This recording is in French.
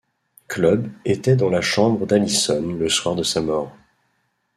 Club étaient dans la chambre d'Alison le soir de sa mort.